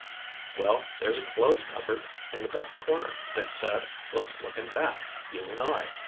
"Well, there's a clothes cupboard—in the back corner," Dick said. "Let's look in that, you and I.